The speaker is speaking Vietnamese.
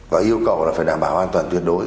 và yêu cầu là phải đảm bảo an toàn tuyệt đối